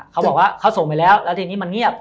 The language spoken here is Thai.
เขาบอกว่าเขาส่งไปแล้วแล้วทีนี้มันเงียบ